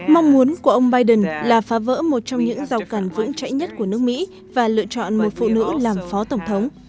mong muốn của ông biden là phá vỡ một trong những rào cản vững chảy nhất của nước mỹ và lựa chọn một phụ nữ làm phó tổng thống